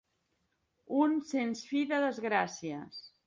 Un sens fi de desgràcies.